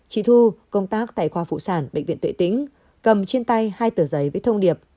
chị thu công tác tại khoa phụ sản bệnh viện tuệ tĩnh cầm trên tay hai tờ giấy với thông điệp